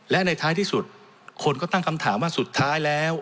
และในท้ายที่สุดคนก็ตั้งคำถามว่าสุดท้ายแล้ว